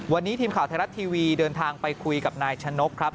วันนี้ทีมข่าวไทยรัฐทีวีเดินทางไปคุยกับนายชะนกครับ